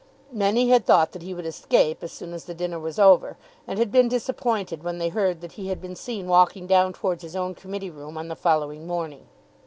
Many had thought that he would escape as soon as the dinner was over, and had been disappointed when they heard that he had been seen walking down towards his own committee room on the following morning.